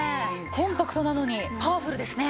コンパクトなのにパワフルですね。